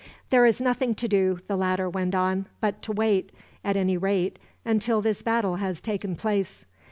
"There is nothing to do," the latter went on, "but to wait at any rate, until this battle has taken place.